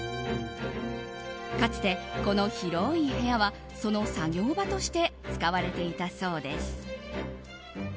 かつて、この広い部屋はその作業場として使われていたそうです。